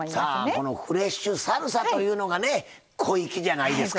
さあこのフレッシュサルサというのがね小粋じゃないですか。